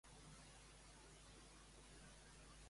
Qui van decidir que fos el primogènit, llavors?